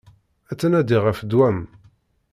Ad tnadiɣ ɣef ddwa-m.